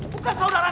bukan saudara kamu